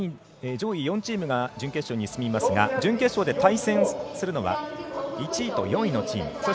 上位４チームが準決勝に進みますが準決勝で対戦するのは１位と４位のチーム。